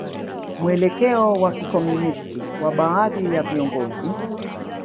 Mwelekeo wa kikomunisti wa baadhi ya viongozi